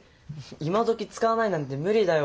今どき使わないなんて無理だよ。